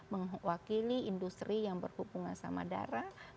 mewakili industri yang berhubungan sama darah